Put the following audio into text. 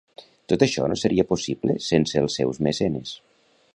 Tot això no seria possible sense els seus mecenes.